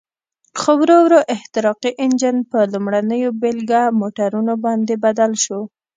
خو ورو ورو احتراقي انجن په لومړنیو بېلګه موټرونو باندې بدل شو.